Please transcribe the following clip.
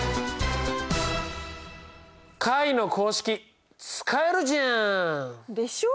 解の公式使えるじゃん！でしょ？